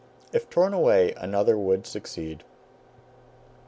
If torn away, another would succeed.